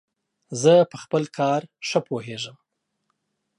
زه په خپل کار ښه پوهیژم.